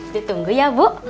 ditunggu ya bu